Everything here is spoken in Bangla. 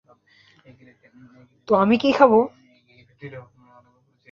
তো আমি কী খাবো?